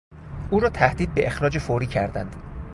او را تهدید به اخراج فوری کردند.